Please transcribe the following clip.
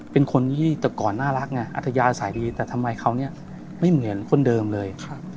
เป็นคนที่แต่ก่อนน่ารักไงอัธยาศัยดีแต่ทำไมเขาเนี่ยไม่เหมือนคนเดิมเลย